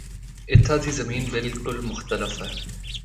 اِتھا دی زمین بھی مختلف ہے۔